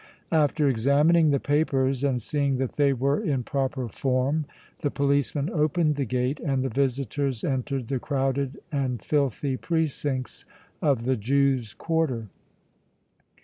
After examining the papers and seeing that they were in proper form the policeman opened the gate and the visitors entered the crowded and filthy precincts of the Jews' quarter.